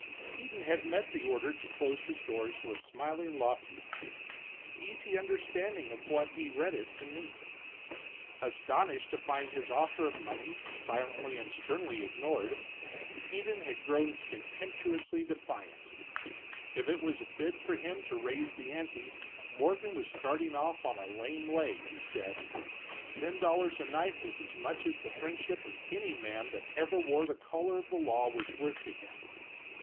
Peden had met the order to close his doors with smiling loftiness, easy understanding of what he read it to mean. Astonished to find his offer of money silently and sternly ignored, Peden had grown contemptuously defiant. If it was a bid for him to raise the ante, Morgan was starting off on a lame leg, he said. Ten dollars a night was as much as the friendship of any man that ever wore the collar of the law was worth to him.